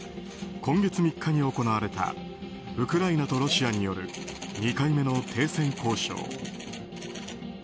今月３日に行われたウクライナとロシアによる２回目の停戦交渉。